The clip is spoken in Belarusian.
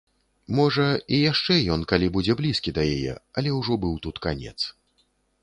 Можа, і яшчэ ён калі будзе блізкі да яе, але ўжо быў тут канец.